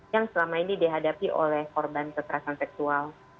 yang selama ini dihadapi oleh korban kekerasan seksual